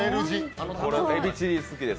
このエビチリ好きです。